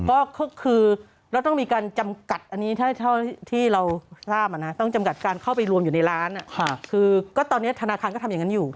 โอ้ก็คือแล้วต้องมีการจำกัดอันนี้ถ้าเท่านี้ที่เราทราบอ่ะนะ